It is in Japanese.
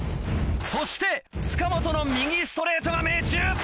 そして塚本の右ストレートが命中！